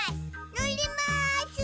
のります！